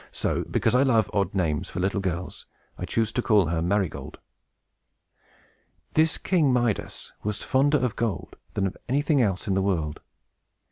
So, because I love odd names for little girls, I choose to call her Marygold. This King Midas was fonder of gold than of anything else in the world.